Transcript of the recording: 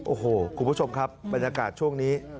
โอ้โหคุณผู้ชมครับบรรยากาศช่วงนี้